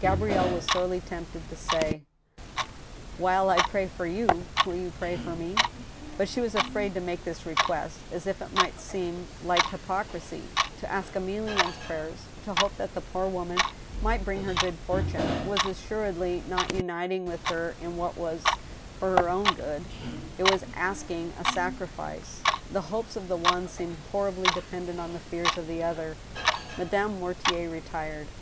Gabrielle was sorely tempted to say :" While I pray for you, will you pray for me ?" But she was afraid to make this request, as if it might seem like hypocrisy. To ask Emilienne's prayers, to hope that the poor woman might bring her good fortune, was assuredly not uniting with her in what was for her own good — ^it was asking a sacrifice. The hopes of the one seemed horribly dependent on the fears of the other. Madame Mortier retired.